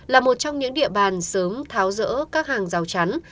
là một trong những địa bàn sớm tháo rỡ các hàng rào chắn